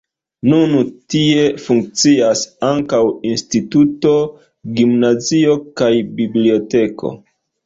Nun tie funkcias ankaŭ instituto, gimnazio kaj biblioteko.